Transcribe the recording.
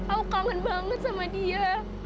aku kangen banget sama dia